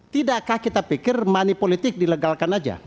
tidakkah kita pikir money politik dilegalkan saja